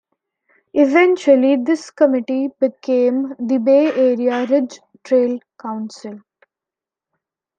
Eventually, this committee became the Bay Area Ridge Trail Council.